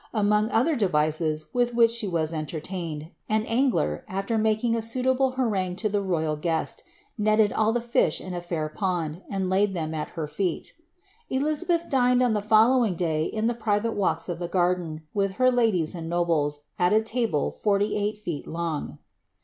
Among other devices with which she was cntenaineJ. an angler, after making a suitable harangue to the royal guest, netted ail the tish in a fair pond, and laid them at her feet. Elizabeth dined on the following day in ilie private walks of the garden, with her ladies and nobles, at a table forty eight feet long.